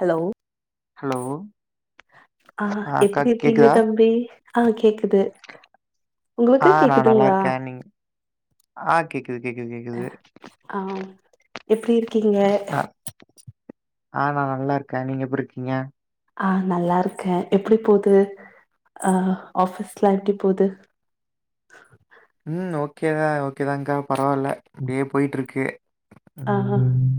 Hello hello ஆ அக்கா எப்டி இருக்கீங்க கேக்குதா தம்பி ஆ கேக்குது ஆ உங்குளுக்கு நா நல்லா கேக்குதுங்ளா இருக்கே நீங்க ஆ கேக்குது கேக்குது கேக்குது ஆ எப்டி இருக்கீங்க நா ஆ நா நல்லாருக்கே நீங்க எப்டி இருக்கீங்க ஆ நல்லாருக்கே எப்டி போது அ ஆஃபிஸ்லா எப்டி போது ம் ஓகேதா ஓகேதாங்கா பரவால்ல அப்டியே போய்ட்ருக்கு ஆ ம்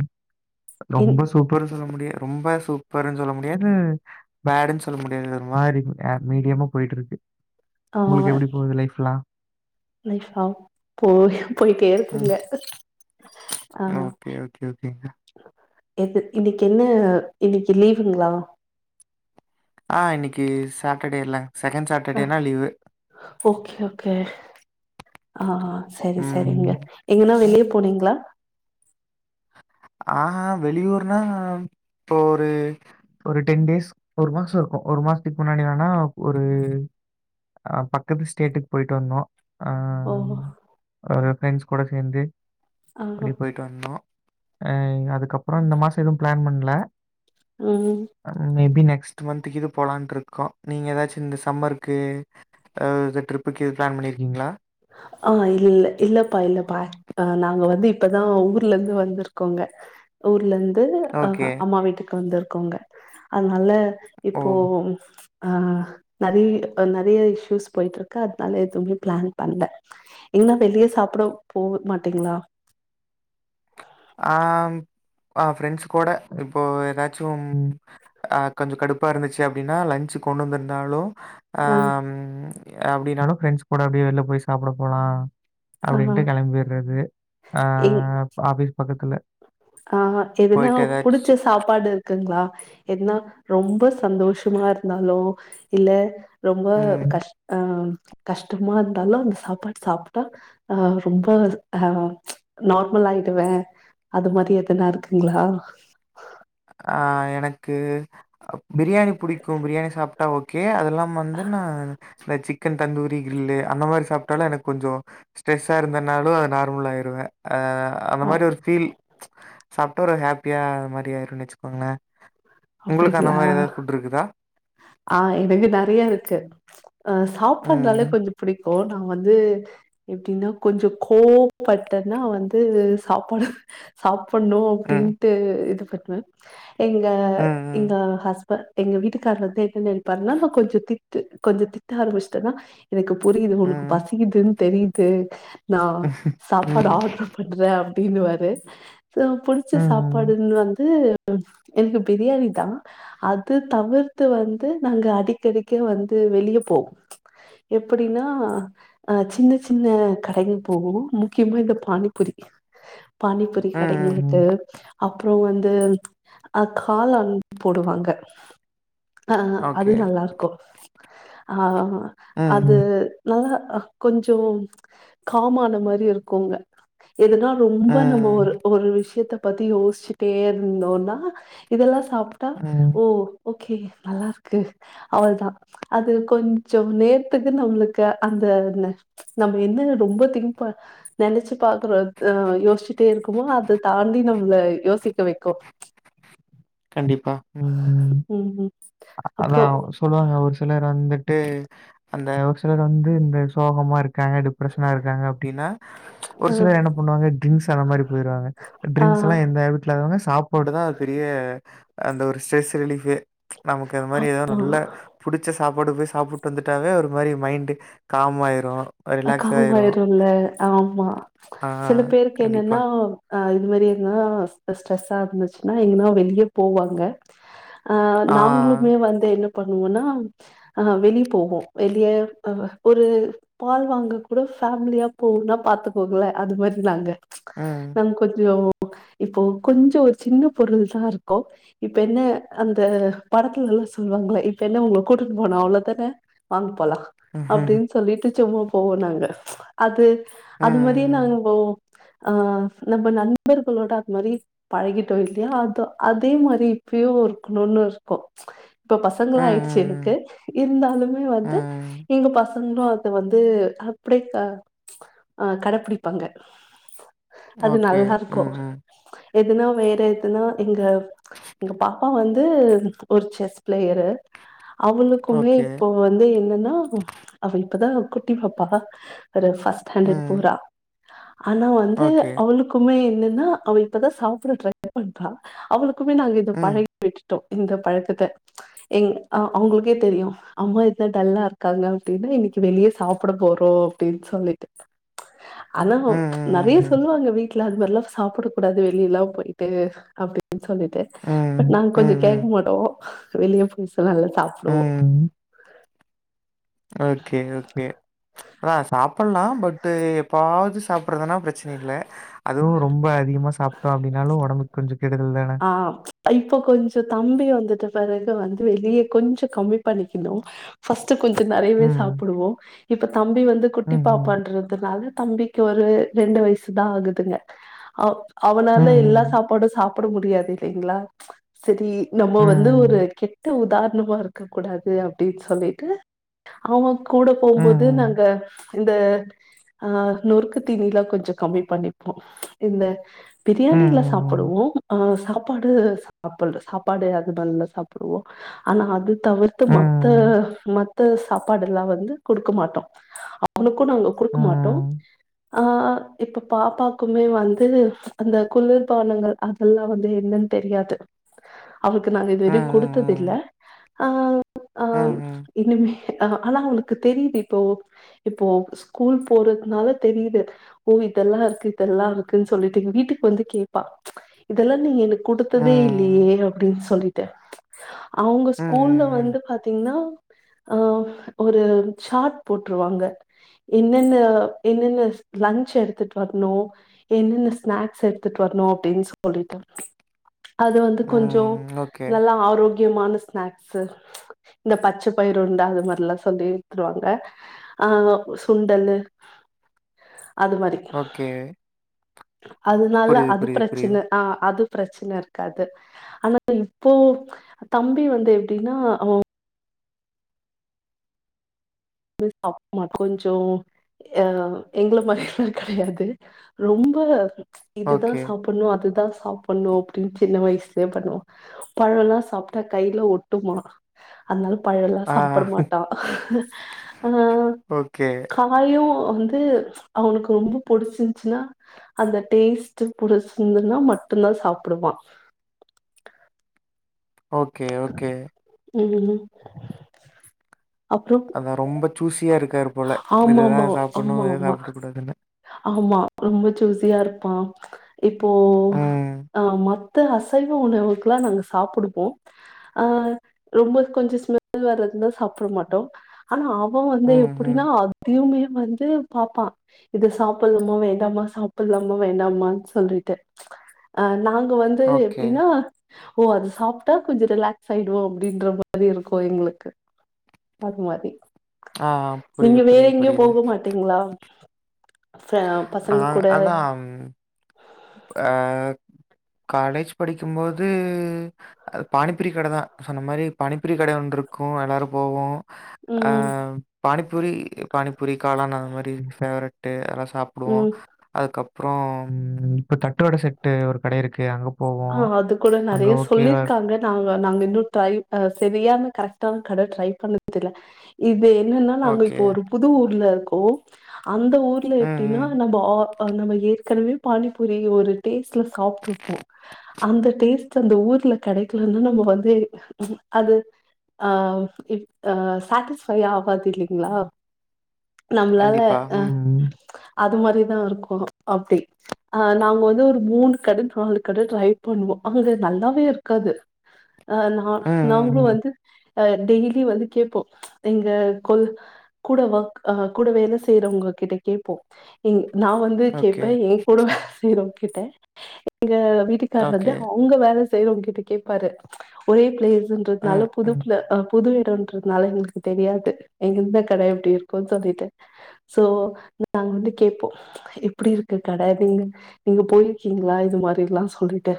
என் ரொம்ப சூப் பரு சொல்ல முடியு ரொம்ப சூப்பர்ன் சொல்ல முடியாது பேடுன் சொல்ல முடியாது ஒருமாரி மீடியமா போய்ட்ருக்கு ஆ உங்குளுக்கு எப்டி போது லைஃப்லா லைஃபா போது போய்ட்டே இருக்குங்க ம் ஆ ஓகே ஓகே ஓகேங்க எது இன்னிக் என்ன இன்னிக்கு லீவுங்ளா ஆ இன்னிக்கு சாட்டர்டேல செகண்ட் ஆ சாட்டர்டேனா லீவு ஓகே ஓகே ஆ செரி செரிங்க ம் எங்கன்னா வெளிய போனீங்ளா ஆஹ வெளியூர்னா இப்போ ஒரு ஒரு டென் டேஸ் ஒரு மாசோ இருக்கு ஒரு மாசத்துக்கு முன்னாடி வேணா ஒரு அ பக்கத்து ஸ்டேட்டுக்கு போய்ட்டு வந்தோ ஆ ஓ ஒரு ப்ரெண்ட்ஸ்கூட சேந்து ஆ அப்டி போய்ட்டு வந்தோ ஆ அதுக்கப்புறோ இந்த மாசோ எது பிளான் பண்ணல ம் மேபி நெக்ஸ்ட் மந்த்துக்கிது போலான்ட்ருக்கோ நீங்க எதாச்சு இந்த சம்மர்க்கு அ எதா ட்ரிப்புக்கு எது ப்ளான் பண்ணிருக்கீங்ளா ஆஹ இல்ல இல்ல இல்லப்பா இல்லப்பா அ நாங்க வந்து இப்பதா ஊர்ல இருந்து வந்துருக்கோங்க ஊர்ல இருந்து ஓகே. அஹ அம்மா வீட்டுக்கு வந்துருக்கோங்க அதனால ஓ! இப்போ ஆ நறைய நறைய இஸ்யூஸ் போய்ட்ருக்கு அதனால எதுமே பிளான் பண்ல நீங்களா வெளிய சாப்ட போவே மாட்டீங்களா ஆம் ஆ ஃப்ரெண்ட்ஸ் கூட இப்போ ஏதாச்சும் அ கொஞ்சம் கடுப்பா இருந்துச்சு அப்டின்னா லஞ்சு கொண்டு வந்திருந்தாலு ஆ ஆம் அப்டின்னாலு ஃரெண்ட்ஸ் கூட அப்டியே வெளில போய் சாப்பட போலா ஆ அப்டின்ட்டு கெளம்பிறது ஆ ஆபீஸ் பக்கத்துல ஆஹா எதுனா போயிட்டு புடிச்ச ஏதாச்சு சாப்பாடு இருக்குங்களா என்னா ரொம்ப சந்தோஷமா இருந்தாலோ இல்ல ரொம்ப ம் கஷ் ஆ கஷ்டமா இருந்தாலு அந்த சாப்பாடு சாப்ட்டா ஆ ரொம்ப ஆ நார்மல் ஆயிடுவே அது மாரி எதுனா இருக்குங்களா ஆ எனக்கு பிரியாணி புடிக்கு பிரியாணி சாப்ட்டா ஓகே அத எல்லாம் வந்து நா இந்த சிக் சிக்கன் தந்தூரி கிரில்லு அந்த மாரி சாப்ட்டாலு எனக்கு கொஞ்சோ ஸ்ட்ரெஸ்ஸா இருந்தனாலு அது நார்மலாயிருவே ஆ அந்த அ மாரி ஒரு பீல் சாப்ட்டா ஒரு ஹாப்பியா அது மாரி ஆயிரு [unintelligible] வச்சுக்கோங்களே உங்களுக்கு அந்த அப்டிங்களா? மாரி ஏதாவது புட் இருக்குதா ஆ இதுவே நறையா இருக்கு அ ம். சாப்பாடுனால கொஞ்ச புடிக் ஓ நா வந்து எப்டின்னா கொஞ்ச கோவப்பட்டன்னா வந்து சாப்பாடு சாப்பணு ம். அப்படின்ட்டு இது பண்ணுவே எங்க எங்க ம். ஹஸ்பண்ட் எங்க வீட்டுக்காரர் வந்து என்ன நெனைப்பார்னா நா கொஞ்ச திட்டு கொஞ்ச திட்டு ஆரம்பிச்சுட்டன்னா எனக்கு புரியுது உனக்கு ம். பசிக்குதுன் தெரியுது நா ம். சாப்பாடு ம். ஆட்ரு பண்ற அப்படின்னுவாரு புடிச்ச ம். சாப்பாடுன் வந்து எனக் பிரியாணி தா அது தவிர்த்து வந்து நாங்க அடிக்கடிக்க வந்து வெளியே போவோ எப்படின்னா ஆ சின்ன சின்ன கடைகள் போவோ முக்கியமா இந்த பானிபுரி பானிபுரி கடைங்களுக்கு ம். அப்பறோ வந்து காலன் போடுவாங்க ஆ அது ஓகே. நல்லாருக்கு ஆ ம். அது நல்லா கொஞ்ச காமான மாரி இருக்கும்ங்க எதுனா ரொம்ப நம்ம ஒரு ம். ஒரு விஷயத்த பத்தி யோசிச்சுட்டே இருந்தோன்னா இதெல்லா சாப் டா ம். ஓ ஓகே நல்லாருக்கு அவள தா அது கொஞ்ச நேரத்துக்கு நம்மளுக்கு அந்த ன நம்ம என்ன ரொம்ப திங்க் ப நெனைச்சு பாக்குறோ ஆ யோசிச்சிட்டே இருக்குமோ அத தாண்டி நம்மள யோசிக்க வைக்கு கண்டிப்பா ம் ம். அதா அப்புறம் சொல்லுவாங்க ஒரு சிலர் வந்துட்டு அந்த ஒரு சிலர் வந்து இந்த சோகமா இருக் கயாடு டிப்ரஷனா இருக்காங்க அப்டின்னா ஒரு அ சிலர் என்ன பண்ணுவாங்க ட்ரிங்க்ஸ் அந்த மாரி போயிருவாங்க ட்ரிங்க்ஸ்ல்லா எந்தவுக் லவங்க சாப்பாட்டுதா பெரிய அந்த ஒரு ஸ்ட்ரெஸ் ரிலீஃபே நமக்கு அது மாரி ஏதோ நல்ல புடிச்ச சாப்பாடு போய் சாப்பிட்டு வந்துட்டாவே ஒரு மாரி மைண்டு காம் ஆயிரும், ரிலாக்ஸ் ஆயிரும். காமாயிருல்ல ஆமா ஆ, சில பேருக்கு கண்டிப்பா. என்னன்னா ஆ இது மாரி எங்க ஸ்ட்ரெஸ்ஸா இருந்துச்சுன்னா எங்கன்னா வெளியே போவாங்க அ ஆ, நாங்களுமே வந்து என்ன பண்ணுவோன்னா அஹா வெளிய போவோ வெளிய அஹ ஒரு பால் வாங்க கூட ஃபேமிலியா போகுனா பாத்துகோங்களே அது மாதிரி நாங்க ம். நா கொஞ்சோ இப்போ கொஞ்சோ ஒரு சின்ன பொருள் தா இருக்கு இப்ப என்ன அந்த படத்துல எல்லா சொல்வாங்களே இப்ப என்ன உங்கள கூட்டிட்டு போனு அவ்ளவுதான வாங் போலா ம்ஹ்ஹ்ம். அப்டின்னு சொல்லிட்டு சும்மா போவோ நாங்க அது ம், அது மாரியே நாங்க ம். உங்க ஆ நம்ம நண்பர்களோட அது மாரி பழகிட்டோ இல்லையா அதோ அதே மாரி இப்பயூ இருக்கணும்னு இருக்கு இப்ப ம், பசங்களா ஆயிடுச்சு ம், எனக்கு ம். இருந்தாலுமே வந்து ம். எங்க பசங்களும் அத வந்து அப்றே தா கடப்பிடிப்பாங்க அது ஓகே. நல்லா இருக்கூ ம், ம். எதுனா வேற எதுனா எங்க எங்க பாப்பா வந்து ஒரு செஸ் பிளேயரு அவளுக்குமே ஓகே. இப்போ வந்து என்னன்னா அவ இப்பதா குட்டி பாப்பா ஒரு ஃபஸ்ட் ஸ்டாண்டர்ட் ம். போரா ஆனா வந்து ஓகே. அவளுக் குமே என்னனா அவ இப்பதா சாப்புட ட்ரை பன்றா அவளுக்குமே நாங்க ம். பழகி விட்டுட்டோ இந்த பழக்கத்த எங் அ அவுங்களுக்கே தெரியு அம்மா இப்ப டல்லா இருக்காங்க அப்டின்னா இன்னக்கி வெளிய சாப்புட போறோ அப்டின்னு சொல்லிட்டு ஆனா ம். நெறைய ம். சொல்லுவாங்க வீட் ல அது மாரிலா சாப்டக் கூடாது வெளியலா போயிட்டு அப்டின் சொல்லிட்டு ம். பட் ம். நாங்க ம். கொஞ்சோ கேட்க ம். ம். மாட்டோ வெளிய புதுசா நல்லா சாப்டுவோ ம். ஓகே ஓகே அதா சாப்டலா பட் எப்பாவது சா போனா பிரச்சன இல்லை அதுவு ரொம்ப அதிகமா சாப்ட்டோம் அப்டினாலு ஒடம்புக்கு கொஞ்சோ கெடுதல் தான ஆ இப்ப கொஞ்சோ தம்பி வந்துட்ட பிறகு வந்து வெளிய கொஞ்சோ கம்மி பண்ணிக்கணு ஃபர்ஸ்ட் கொஞ்சோ நெறையவே ம். சாப்டுவோ இப்ப தம்பி வந்து குட்டி ம்ஹ்ம். பாப்பான்றதுனால தம்பி ஒரு ரெண்டு வயசு தா ஆகுதுங்க அ அவனால எல்லா ம்ஹ்ம். சாப்பாடு சாப் ட முடியாது இல்லைங்களா சரி நம்ம வந்து ஒரு ம். கெட்ட உதாரணமா இரு க்க கூடாது அப்டின்னு சொல்லிட்டு அவங்க கூட போம்போது ம்ஹ்ம். நாங்க இந்த ஆ நொறுக்கு தீனீலா கொஞ்சோ கம்மி பண்ணிப்போ இந்த பிரியாணியில ம்ஹ்ம். சாப்டுவோம் ஆ சாப்பாடு சாப்டுற சாப்பாடு அது நல்லா சாப்புடுவோ ஆனா அது தவிர்த்து ம். ம். மத்த ம மத்த சாப்பாடு எல்லா வந்து குடுக்க மாட்டோ அவனுக்கு நாங்க ம். குடுக்க மாட்டோ ம். ஆ இப்ப பாப்பாக்குமே வந்து அந்த குளிர்பானங்கள் அதெல்லா வந்து என்னன்னு தெரியாது அவளுக்கு நாங்க இதுவரையூ குடுத்ததில்ல ம். ஆ ஆ ம். ம். ம். இனிமே ஆனா அவளுக்கு தெரியுது இப்போ இப்போ ஸ்கூல் போறதுனால தெரியுது ஓ இதெல்லா இருக்கு இதெல்லா இருக்குன்னு சொல்லிட் வீட்டுக்கு வந்து கேப்பா இதெல்லா நீ எனக்கு குடுத்ததே இல்லையே ம். அப்டின் சொல்லி ட்டு அவுங்க ம். ம். ஸ்கூல்ல ம். வந்து பாத்தீங்கனா ஆ ஒரு சாட் போட்ருவாங்க இன்னென்ன இன்னென்ன லன்ச் எடுத்துட்டு வரணு என்னென்ன ஸ்நாக்ஸ் எடுத்துட்டு வரணு அப்டின்னு சொல்லிட்டு அது வந்து கொஞ்சோ ம். ஓகே. நல்லா ஆரோக்கியமான ஸ்நாக்ஸு இந்த பச்சை பயிறு உருண்ட அது மாரில்லா சொல்லித்ருவாங்க ஆ சுண்டல் அது மாரி ஓகே அதுனால புரியுது, அது புரியுது, புரியுது. பிரச்சன ஆ அது பிரச்சன இருக்காது ஆனா இப்போ தம்பி வந்து எப்டின்னா அவ [inaudible] கொஞ்சோ ஆ எங்கள மாரியெல்லா கெடையாது ரொம்ப இதுதா ஓகே. சாப் புட்னு அதுதா சாப்புட்னு அப்டின்னு சின்ன வயசுலயே பண்ணுவா பழல்லா சாப்ட்டா கையில ஒட்டுமா அதனால பழல்லா ஆ. சாப்புட மாட்டான் ஆ ஓகே. காயு வந்து அவனுக்கு ரொம்ப புடிச்சிந்துச்சுன்னா அந்த டேஸ்ட்டு புடிச்சிருதுன்னா மட்டுந்தா சாப்புடுவா ஓகே ஓகே ம் அப்றோ அவ ரொம்ப சூசியா இருக்காரு போல இதுதா ஆமாமா சாப்புட்ணு இத ஆமாமா சாப்புடக்கூடாதுன்னு ஆமா ரொம்ப ஜூசியா இருப்பா இப்போ ம். ஆ மத் த அசைவ உணவுக்கல்லா நாங்க சாப்புடுவோ ஆ ரொம்ப கொஞ்சோ ஸ்மெல் வர்றதுனா சாப்ட மாட்டோ ஆனா அ வ வந்து ம், ம். எப்டின்னா அதையுமே வந்து பாப்பா இது சாப்புட்லாமா வேண்டாமா சாப்புட்லாமா வேண்டாமான்னு சொல்லிட்டு ஆ நாங்க வந்து ஓகே. எப்டின்னா ஓ அது சாப் ட்டா கொஞ்சோ ரிலாக்ஸ் ஆயிடுவோ அப்டின்ற மாரி இருக்கு எங்களுக்கு அது மாரி ஆ புரிது புரிது புரிது ட்டிங்களா ச பசங்க கூட ஆ காலேஜ் படிக்கும்போது ஆ பானிப்பூரி கடைதா சொன்ன மாரி பானிப்பூரி கட ஒன்ருக்கு எல்லாரு போவோ ஆ ம் பானிபூரி பானிபூரி காளான் அந்த மாரி ஃபேவரட்டு அதெல்லா சாப் புடுவோ ம் அதுக்கப்புறம் இப்ப தட்டுவட செட்டு ஒரு கட இருக்கு அங்க ஆ போவோம். அது கூட அங்க நெறைய ஓகேவா இருக்கும். சொல்லிருக்காங்க நாங்க நாங்க இன்னு ட்ரை ஆ சரியான கரெக்டான கட ட்ரை பண்ணதுல்ல இது என்னன்னா நாங்க ஓகே. இப்போ ஒரு புது ஊர்ல இருக்கோ அந்த ஊர்ல ம், எப்டின்னா ம். நம்போ ஆ ஆ நம்ம ஏற்கனவே பானிபூரி ஒரு டேஸ்ட்ல சாப்ட்ருப்போ அந்த டேஸ்ட் அந்த ஊர்ல கெடைக்கலன்னா நம்ம வந்து அது ஆ இப் ஆ சாட்டிஸ்ஃபை ஆவாது இல்லீங்களா நம்மளால கண்டிப்பா. ஆ ம். அது மாரிதா இருக்கு அப்டி ஆ நாங்க வந்து ஒரு மூணு கட நாலு கட ட்ரைப் பண்ணுவோ அங்க நல்லாவே இருக்காது ஆ நா ம். ம், நாங்களு ம், ம். வந்து ஆ டெய்லி வந்து கேப்போ எங்க கொல் கூட ஒர்க் ஆ கூட வேல செய்யறவங்ககிட்ட கேப்போ எங் நா வந்து ஓகே, கேப்பே ஏங்கூட வேல செய்றவங்கிட்ட எங்க வீட்டுக்காரர் ஓகே. வந்து அ வுங்க வேற செய்யறவங்கிட்ட கேப்பாரு ஒரே ம், பிளேஸ்ன்றதுனால புதுப் ம். புல ஆ புது எடன்றதுனால எங்களுக்கு தெரியாது எந்த கட எப்டி இருக்குனு சொல்லிட்டு சோ நாங்க வந்து கேப்போ எப்டி இருக்கு கட நீங்க நீங்க போயிருக்கீங்களா இது மாரில்லா சொல்லிட்டு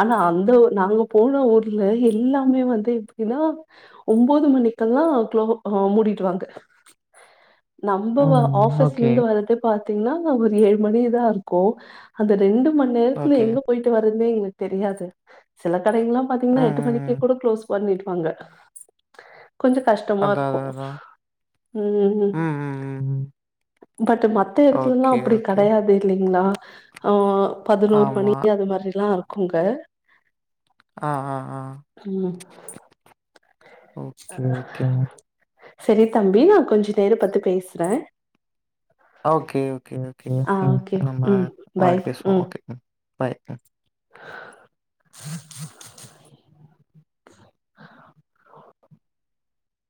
ஆனா அந்த ஒ நாங்க போன ஊர்ல எல்லாமே வந்து எப்டின்னா ஒம்போது மணிக்கெல்லா குளோ ஆ மூடிடுவாங்க நம்ப வ ம். ஓகே. ஆஃபிஸ்லேருந்து வர்றதே பாத்தீங்கனா ஒரு ஏழு மணிதா இருக்கு அந்த ரெண்டு மண் நேரத்துல ஓகே. எங்க போயி எப்டி வருதுனே எங்களுக்கு தெரியாது சில கடைகள்ல்லா ம், பாத்தீங்கன்னா எட்டு மணிக் ம், ம். கேகூடு க்ளோஸ் பண்ணிடுவாங்க கொஞ்ச கஷ்டமா அதான், இருக்கு அதான், அதான். ம் ம் பட்டு மத்த எடத்துலல்லா ஓகே, அப்டி ஓகே. கடையாது இல்லைங்களா ஆ பதினோரு மணி ஆமா. அது மாதிரிலா இருக்குங்க ஆ, ஆ, ஆ. Okay, okay. ம். ம் செரி தம்பி நா கொஞ்சோ நேரோ பத்து பேசுற ஓகே ஓகேங்க ஓகே‌ங்க ஆ ம் ஓகே நாம ம் பாய் வாட்டி பேசுவோ ஓகே ம் பாய் ம்